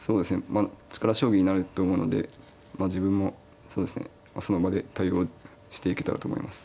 まあ力将棋になると思うので自分もそうですねその場で対応していけたらと思います。